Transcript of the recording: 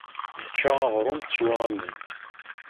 Tečča aɣrum, teswa aman.